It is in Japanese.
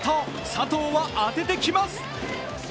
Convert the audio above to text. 佐藤は当ててきます。